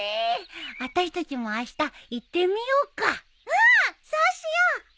うんそうしよう。